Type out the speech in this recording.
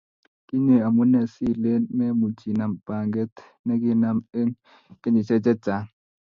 kinywei,, amunee si ileeni me much inam pangee ne kiinam eng kenyishe che chang